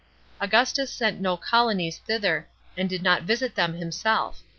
Augustus sent no colonies thither, and did not visit them himself.